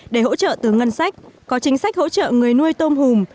để hỗ trợ từ ngân sách có chính sách hỗ trợ người nuôi tôm hùm